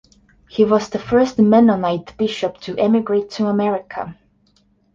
He was the first Mennonite bishop to emigrate to America.